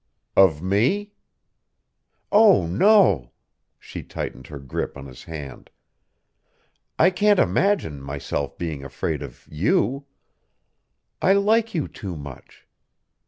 "Of me?" "Oh, no," she tightened her grip on his hand. "I can't imagine myself being afraid of you. I like you too much.